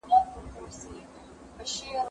زه پرون د سبا لپاره د يادښتونه بشپړوم!